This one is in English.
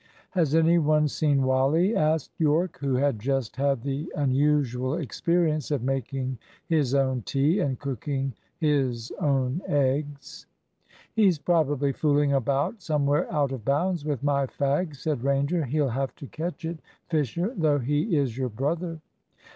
"Has any one seen Wally?" asked Yorke, who had just had the unusual experience of making his own tea and cooking his own eggs. "He's probably fooling about somewhere out of bounds with my fag," said Ranger. "He'll have to catch it, Fisher, though he is your brother."